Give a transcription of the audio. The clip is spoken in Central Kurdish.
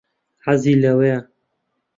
حەزی لەوەیە.